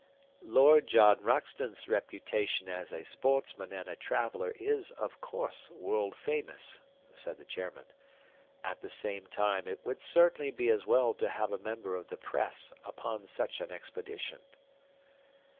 "Lord John Roxton's reputation as a sportsman and a traveler is, of course, world famous," said the chairman; "at the same time it would certainly be as well to have a member of the Press upon such an expedition."